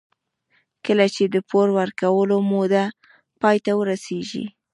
کله چې د پور ورکولو موده پای ته ورسېږي